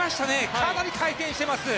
かなり回転しています。